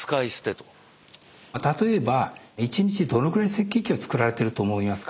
例えば１日どのぐらい赤血球が作られてると思いますか？